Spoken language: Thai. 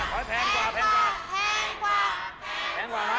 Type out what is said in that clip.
แพงกว่า